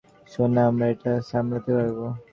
সোনা, আমরা এটা সামলাতে পারব।